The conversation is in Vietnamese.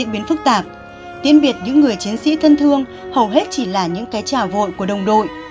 phức tạp tiên biệt những người chiến sĩ thân thương hầu hết chỉ là những cái trả vội của đồng đội